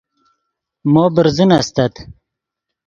مو برزن استت